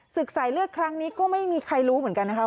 สายเลือดครั้งนี้ก็ไม่มีใครรู้เหมือนกันนะคะ